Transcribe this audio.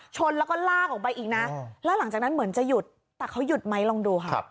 ชนแล้วก็ลากออกไปอีกนะแล้วหลังจากนั้นเหมือนจะหยุด